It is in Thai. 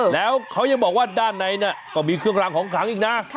แล้วเขายังบอกว่าด้านในก็มีเครื่องรางของขังอีกนะ